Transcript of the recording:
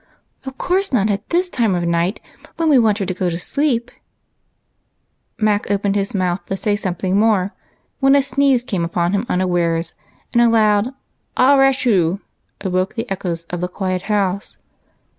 " Of course not at this time of night, when we want her to go to sleep !" Mac opened his mouth to say something more, when a sneeze came upon him unawares, and a loud " Ah rash hoo !" awoke the echoes of the quiet house.